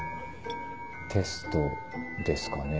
テストですかね。